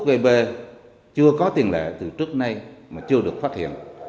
thuốc gây bê chưa có tiền lệ từ trước nay mà chưa được phát hiện